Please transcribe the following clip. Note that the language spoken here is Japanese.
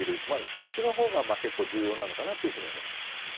そっちのほうが結構、重要なのかなと思います。